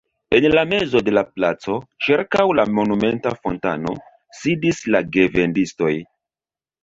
En la mezo de la placo, ĉirkaŭ la monumenta fontano, sidis la gevendistoj.